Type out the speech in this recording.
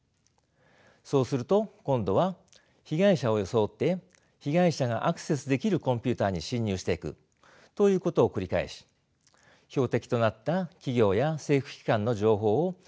そうすると今度は被害者を装って被害者がアクセスできるコンピューターに侵入していくということを繰り返し標的となった企業や政府機関の情報を根こそぎ盗むのです。